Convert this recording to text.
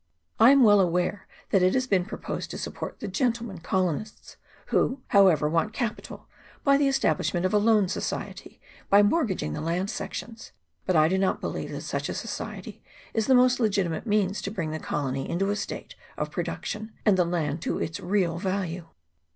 I am well aware that it has been proposed to support the gentlemen colonists, who, however, want capital, by the establishment of a loan society by mortgaging the land sections; but I do not believe that such a society is the most legitimate means to bring the colony into a state of produc tion, and the land to its real value.